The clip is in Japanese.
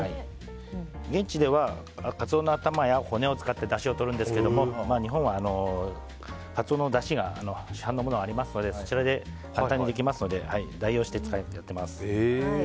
現地ではカツオの頭や骨を使ってだしをとるんですが日本はカツオのだしが市販のものがありますのでそちらで代用して使っています。